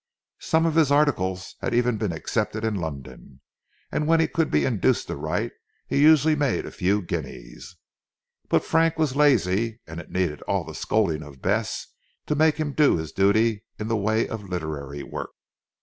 Some of his articles had even been accepted in London, and when he could be induced to write, he usually made a few guineas. But Frank was lazy, and it needed all the scolding of Bess to make him do his duty in the way of literary work.